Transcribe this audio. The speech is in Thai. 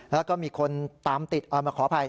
แล้วก็มีคนตามติดขออภัย